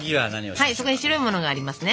はいそこに白いものがありますね。